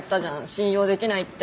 信用できないって。